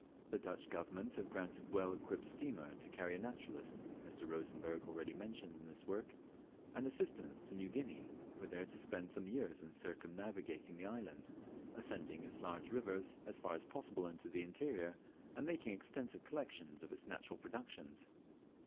The Dutch Government have granted well equipped steamer to carry a naturalist (Mr. Rosenberg, already mentioned in this work) and assistants to New Guinea, where they are to spend some years in circumnavigating the island, ascending its large rivers a< far as possible into the interior, and making extensive collections of its natural productions.